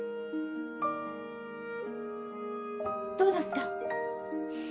どうだった？